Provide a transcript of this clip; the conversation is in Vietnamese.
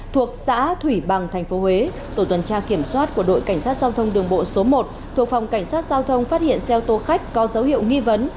thuộc xã thủy bằng tp huế tổ tuần tra kiểm soát của đội cảnh sát giao thông đường bộ số một thuộc phòng cảnh sát giao thông phát hiện xe ô tô khách có dấu hiệu nghi vấn